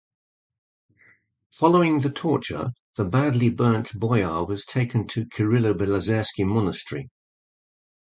Following the torture, the badly burnt boyar was taken to Kirillo-Belozersky Monastery.